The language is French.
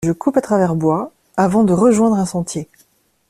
Je coupe à travers bois avant de rejoindre un sentier.